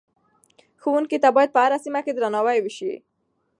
ښوونکو ته باید په هره سیمه کې درناوی وشي.